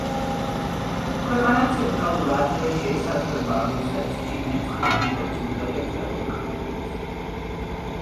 ქვეყანა ცენტრალურ აზიაში, ესაზღვრება რუსეთს, ჩინეთს, ყირგიზეთს, უზბეკეთს და თურქმენეთს.